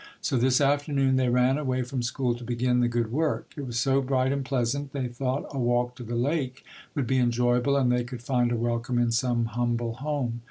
So this afternoon they ran away from school to begin the good work. It was so bright and pleasant, they thought a walk to the lake would be enjoyable and they could find a welcome in some humble home.